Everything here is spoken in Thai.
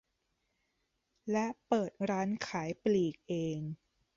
และเปิดร้านขายปลีกเอง